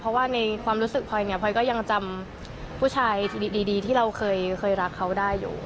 เพราะว่าในความรู้สึกพลอยเนี่ยพลอยก็ยังจำผู้ชายดีที่เราเคยรักเขาได้อยู่